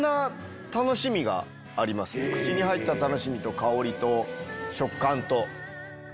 口に入った楽しみと香りと食感と。